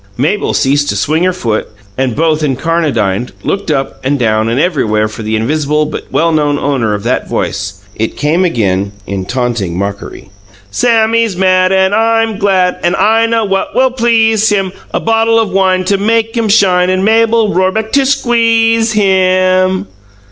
Mabel ceased to swing her foot, and both, encarnadined, looked up and down and everywhere for the invisible but well known owner of that voice. It came again, in taunting mockery: "Sammy's mad, and I am glad, And I know what will please him: A bottle o' wine to make him shine, And Mabel Rorebeck to squeeze him!"